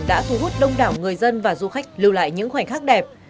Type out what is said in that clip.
đã thu hút đông đảo người dân và du khách lưu lại những khoảnh khắc đẹp